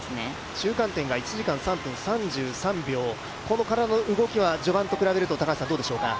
中間点が１時間３分３３秒、この体の動きは序盤と比べるとどうでしょうか？